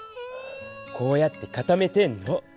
こうやって固めてんの。